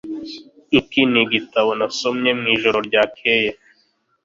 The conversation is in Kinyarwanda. Iki nigitabo nasomye mwijoro ryakeye.